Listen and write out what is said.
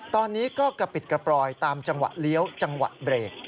ตอนนี้ก็กระปิดกระปลอยตามจังหวะเลี้ยวจังหวะเบรก